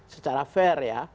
secara fair ya